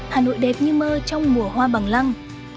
hà nội đẹp như mơ trong mùa hoa bằng lăng